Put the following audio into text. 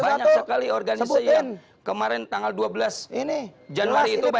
banyak sekali organisasi yang kemarin tanggal dua belas januari itu